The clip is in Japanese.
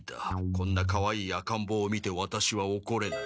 こんなかわいい赤んぼうを見てワタシはおこれない。